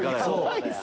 そう！